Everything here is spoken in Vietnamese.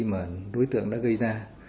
mà đối tượng đã gây ra